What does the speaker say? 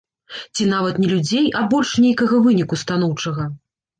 Ці нават не людзей, а больш нейкага выніку станоўчага.